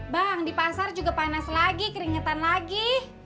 bang di pasar juga panas lagi keringetan lagi